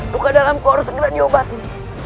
luka dalam kau harus segera diobatin